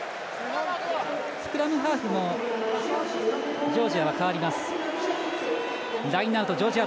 スクラムハーフもジョージアは変わります。